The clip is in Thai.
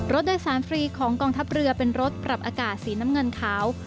รถโดยสารฟรีของกองทัพเรือเป็นรถปรับอากาศสีน้ำเงินขาว